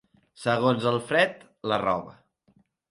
Segons el fred, la roba.